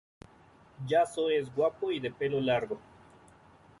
Yazoo es guapo y de pelo largo